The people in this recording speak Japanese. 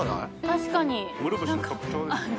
確かに。